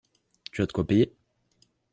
Tu as de quoi payer?